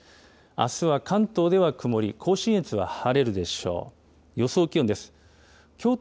あすは関東では曇り、甲信越は晴れるでしょう。